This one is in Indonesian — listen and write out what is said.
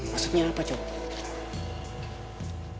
maksudnya apa cowok